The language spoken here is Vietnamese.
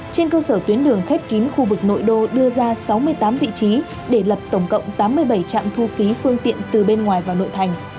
trên cơ sở tuyến đường khép kín khu vực nội đô đưa ra sáu mươi tám vị trí để lập tổng cộng tám mươi bảy trạm thu phí phương tiện từ bên ngoài vào nội thành